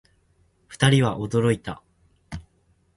二人は驚いた